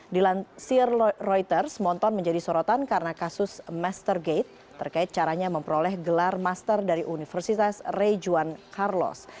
di lancier reuters monton menjadi sorotan karena kasus mastergate terkait caranya memperoleh gelar master dari universitas rey juan carlos